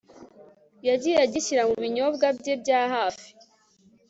yagiye agishyira mubinyobwa bye bya hafi